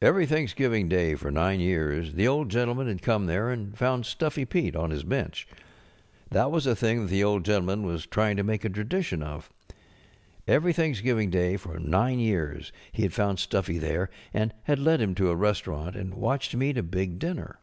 Every Thanksgiving Day for nine years the (Hd Gentleman had come there and found Stuffy Pete on his bench. That was a thing that the Old Gentleman was trying to make a tradition of. Every Thanks┬¼ giving Day for nine years he had found Stuffy there, and had led him to a restaurant and watched him eat a big dinner.